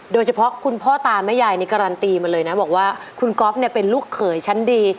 โดยเฉพาะคุณพ่อตาแม่ยายนี่การันตีมาเลยนะบอกว่าคุณก๊อฟเนี่ยเป็นลูกเขยชั้นดี